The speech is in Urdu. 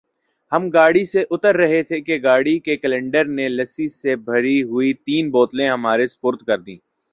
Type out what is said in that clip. ہم گاڑی سے اتر رہے تھے کہ گاڑی کے کلنڈر نے لسی سے بھری ہوئی تین بوتلیں ہمارے سپرد کر دیں ۔